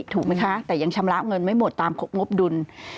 ถูกไหมคะแต่ยังชำระเงินไม่หมดตามงบดุล